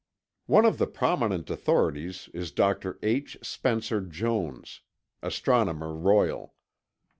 One of the prominent authorities is Dr. H. Spencer Jones, Astronomer Royal.